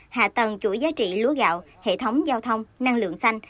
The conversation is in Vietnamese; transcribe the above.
hạ tầng chuỗi giá trị lúa gạo hệ thống giao thông năng lượng xanh